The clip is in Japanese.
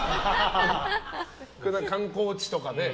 観光地とかね。